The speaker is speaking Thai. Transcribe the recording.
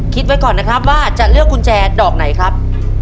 ไว้ก่อนนะครับว่าจะเลือกกุญแจดอกไหนครับ